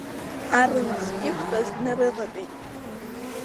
Арымӡ иқәтәаз днарыватәеит.